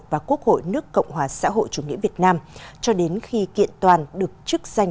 và quốc hội nước cộng hòa xã hội chủ nghĩa việt nam cho đến khi kiện toàn được chức danh